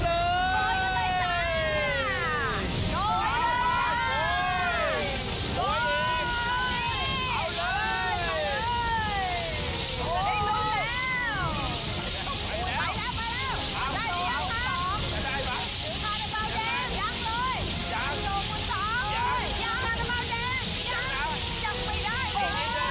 ได้แล้วได้แล้ว